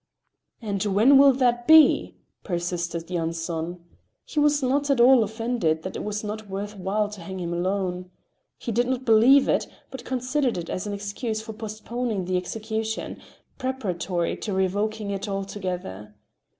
"And when will that be?" persisted Yanson. He was not at all offended that it was not worth while to hang him alone. He did not believe it, but considered it as an excuse for postponing the execution, preparatory to revoking it altogether.